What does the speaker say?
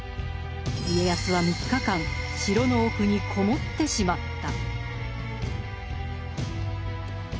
家康は３日間城の奥に籠もってしまった。